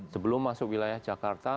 sebelum masuk wilayah jakarta